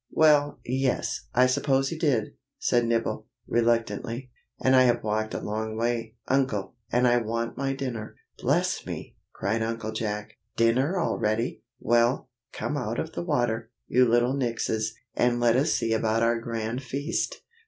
"Well, yes, I suppose he did," said Nibble, reluctantly, "and I have walked a long way, Uncle, and I want my dinner." "Bless me!" cried Uncle Jack, "dinner already? Well, come out of the water, you little Nixies, and let us see about our grand feast!"